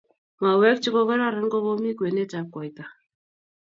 Mauek chegororon kogomi kwenetab koito